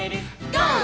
ゴー！」